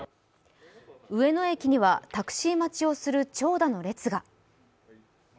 上野駅にはタクシー待ちをする長蛇の列が。